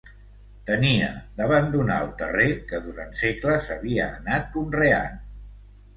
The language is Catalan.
Tenia d'abandonar el terrer que durant segles havia anat conreant